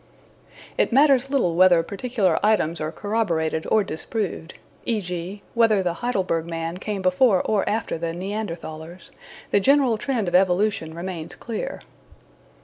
It matters little whether particular items are corroborated or disproved e.g. whether the Heidelberg man came before or after the Neanderthalers the general trend of evolution remains clear.